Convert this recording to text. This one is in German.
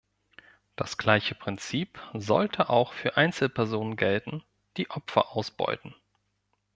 Das gleiche Prinzip sollte auch für Einzelpersonen gelten, die Opfer ausbeuten.